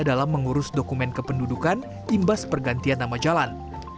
dalam mengurus dokumen kependudukan imbas pergantian nama jalan